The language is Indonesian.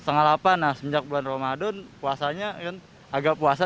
nah semenjak bulan ramadan puasanya kan agak puasa